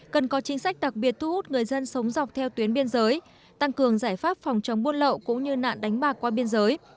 cần có chính sách đặc biệt thu hút người dân sống dọc theo tuyến biên giới tăng cường giải pháp phòng chống buôn lậu cũng như nạn đánh bạc qua biên giới